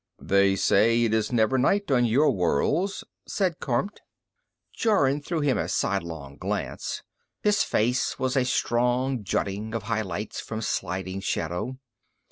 "They say it is never night on your worlds," said Kormt. Jorun threw him a sidelong glance. His face was a strong jutting of highlights from sliding shadow.